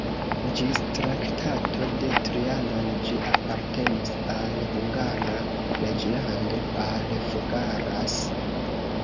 Ĝis Traktato de Trianon ĝi apartenis al Hungara reĝlando, al Fogaras.